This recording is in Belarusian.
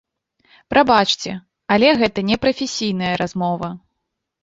Прабачце, але гэта не прафесійная размова.